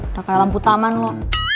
udah kayak lampu taman loh